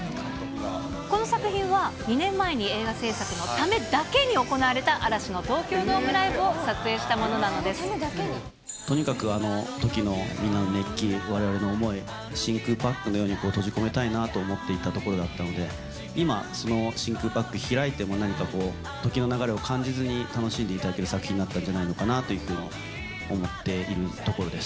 この作品は、２年前に映画製作のためだけに行われた嵐の東京ドームライブを撮とにかくあのときのみんなの熱気、われわれの思い、真空パックのように閉じ込めたいなと思っていたところだったので、今、その真空パック、開いても何か時の流れを感じずに楽しんでいただける作品になったんじゃないかなというふうに思っているところです。